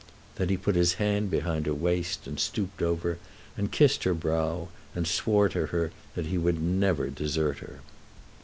Then he put his hand behind her waist, and stooped over her and kissed her brow, and swore to her that he would never desert her.